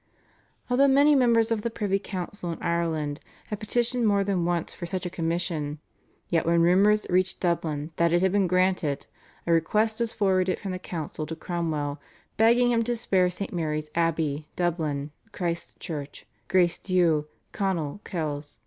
Although many members of the privy council in Ireland had petitioned more than once for such a commission, yet when rumours reached Dublin that it had been granted, a request was forwarded from the council to Cromwell begging him to spare St. Mary's Abbey Dublin, Christ's Church, Grace Dieu, Conall, Kells (Co.